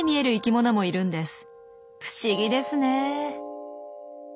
不思議ですね。